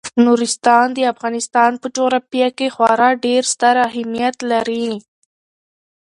نورستان د افغانستان په جغرافیه کې خورا ډیر ستر اهمیت لري.